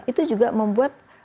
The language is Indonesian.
itu juga membuat kelebih